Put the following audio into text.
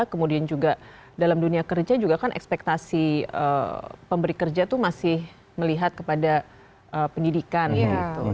kemudian juga dalam dunia kerja juga kan ekspektasi pemberi kerja itu masih melihat kepada pendidikan gitu